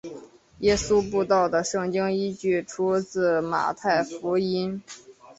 耶稣步道的圣经依据出自马太福音。